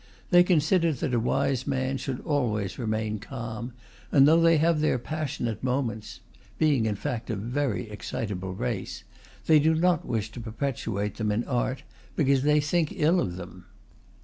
They consider that a wise man should always remain calm, and though they have their passionate moments (being in fact a very excitable race), they do not wish to perpetuate them in art, because they think ill of them.